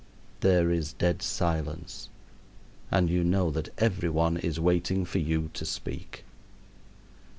There is dead silence, and you know that every one is waiting for you to speak.